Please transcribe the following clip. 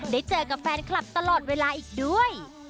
ได้เจอกับแฟนคลับตลอดเวลาอีกด้วย